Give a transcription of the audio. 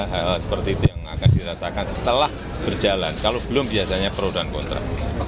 hal hal seperti itu yang akan dirasakan setelah berjalan kalau belum biasanya pro dan kontra